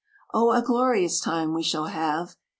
"Oh! a glorious time we shall have!